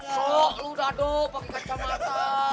sok lu dadok pake camata